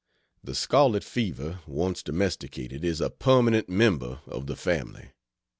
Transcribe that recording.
The scarlet fever, once domesticated, is a permanent member of the family.